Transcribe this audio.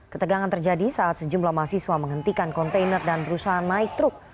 ketegangan terjadi saat sejumlah mahasiswa menghentikan kontainer dan berusaha naik truk